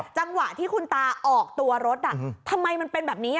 จังหวะที่คุณตาออกตัวรถทำไมมันเป็นแบบนี้